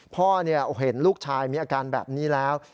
พ่อเห็นลูกชายมีอาการแบบนี้แล้ว